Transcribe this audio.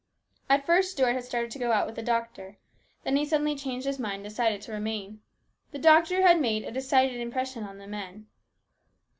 At first Stuart had started to go out with the doctor. Then he suddenly changed his mind and decided to remain. The doctor had made a decided impression on the men.